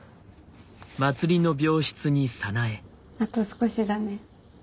あと少しだね。